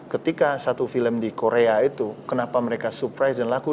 ketika satu film di korea itu kenapa mereka surprise dan laku